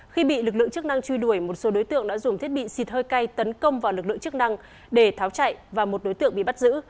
khi bị lực lượng chức năng truy đuổi một số đối tượng đã dùng thiết bị xịt hơi cay tấn công vào lực lượng chức năng để tháo chạy và một đối tượng bị bắt giữ